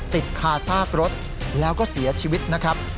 ติดคาซากรถแล้วก็เสียชีวิตนะครับ